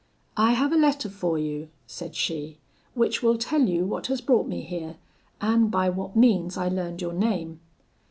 'I have a letter for you,' said she, 'which will tell you what has brought me here, and by what means I learned your name.'